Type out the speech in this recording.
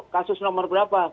kasus nomor berapa